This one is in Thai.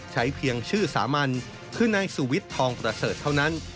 ใช้เพียงชื่อสามัญคือนายสุวิทย์ทองประเสริฐเท่านั้น